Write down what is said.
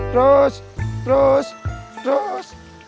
terus terus terus